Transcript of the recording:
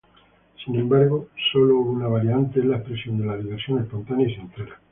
Sin embargo, sólo una variante es la expresión de la diversión espontánea y sincera.